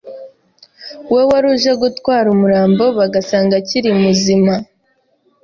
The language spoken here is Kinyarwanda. we wari uje gutwara umurambo bagasanga akiri muzima